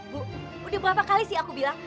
bu udah berapa kali sih aku bilang